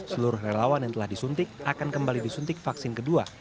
seluruh relawan yang telah disuntik akan kembali disuntik vaksin kedua